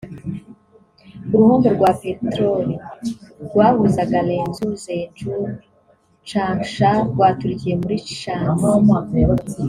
uruhombo rwa peteroli rwahuzaga Lanzhou–Zhengzhou–Changsha rwaturikiye muri Shanxi